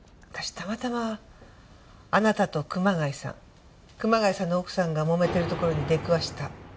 たまたまあなたと熊谷さん熊谷さんの奥さんがもめてるところに出くわした。